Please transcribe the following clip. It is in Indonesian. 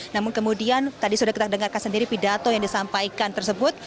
namun kemudian tadi sudah kita dengarkan sendiri pidato yang disampaikan tersebut